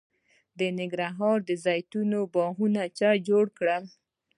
د ننګرهار د زیتون باغونه چا جوړ کړل؟